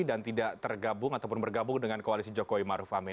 dan tidak tergabung ataupun bergabung dengan koalisi jokowi maruf amin